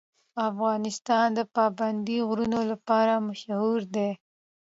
افغانستان د پابندی غرونه لپاره مشهور دی.